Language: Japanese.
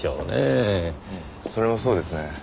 それもそうですね。